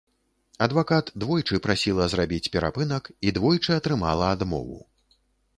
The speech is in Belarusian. Адвакат двойчы прасіла зрабіць перапынак і двойчы атрымала адмову.